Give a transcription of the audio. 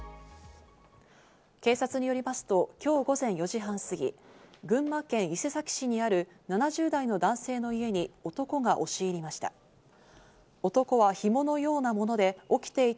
警察によりますと今日午前４時半過ぎ、群馬県伊勢崎市にある７０代の男性の家に男が押し入りました。